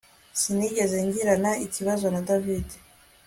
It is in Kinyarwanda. Sinigeze ngirana ikibazo na David